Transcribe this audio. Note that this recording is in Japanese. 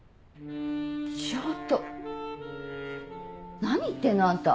ちょっと何言ってんの？あんた。